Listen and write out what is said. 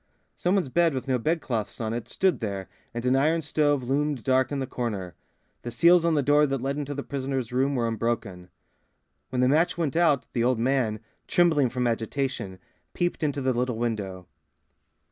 Some one's bed, with no bedclothes on it, stood there, and an iron stove loomed dark in the corner. The seals on the door that led into the prisoner's room were unbroken. When the match went out, the old man, trembling from agitation, peeped into the little window.